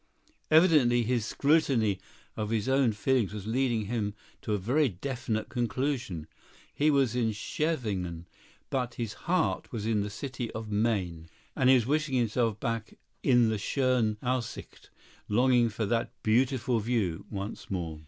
Evidently his scrutiny of his own feelings was leading him to a very definite conclusion. He was in Scheveningen, but his heart was in the city on the Main, and he was wishing himself back in the Schöne Aussicht—longing for that "beautiful view" once more.